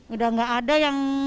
udah gak ada yang